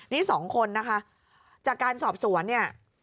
นี่สองคนนะคะจากการสอบสวนเนี่ย